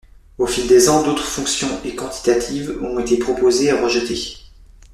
Au fil des ans, d'autres fonctions et quantitatives ont été proposés et rejetés.